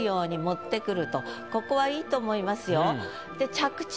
ここはいいと思いますよ。